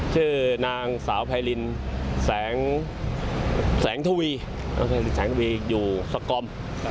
ชื่อนางสาวไพรินแสงทวีอยู่สกรม